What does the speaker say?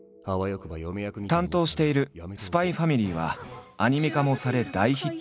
担当している「ＳＰＹ×ＦＡＭＩＬＹ」はアニメ化もされ大ヒット。